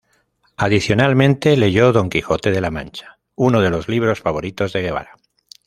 Adicionalmente, leyó "Don Quijote de la Mancha", uno de los libros favoritos de Guevara.